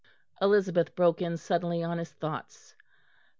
Elizabeth broke in suddenly on his thoughts.